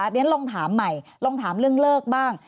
ทีนี้ท่านลองถามใหม่ลองถามเรื่องเลิกบ้าง